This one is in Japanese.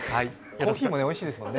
コーヒーもおいしいですもんね。